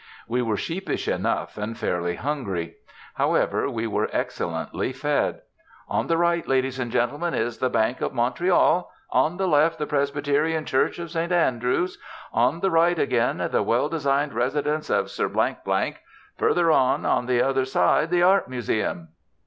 We were sheepish enough, and fairly hungry. However, we were excellently fed. "On the right, ladies and gentlemen, is the Bank of Montreal; on the left the Presbyterian Church of St Andrew's; on the right, again, the well designed residence of Sir Blank Blank; further on, on the same side, the Art Museum...."